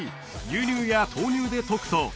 牛乳や豆乳で溶くと